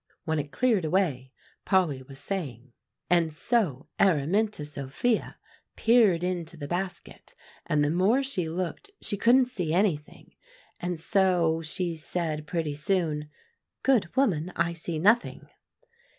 When it cleared away, Polly was saying, "And so Araminta Sophia peered into the basket; and the more she looked, she couldn't see anything. And so she said pretty soon, 'Good woman, I see nothing.